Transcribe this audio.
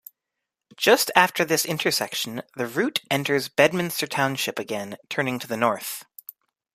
Just after this intersection, the route enters Bedminster Township again, turning to the north.